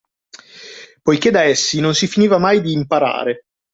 Poiché da essi non si finiva mai di imparare